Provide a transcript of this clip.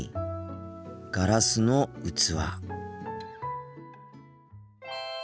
ガラスの器。